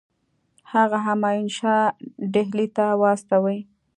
هغه همایون شاه ډهلي ته واستوي.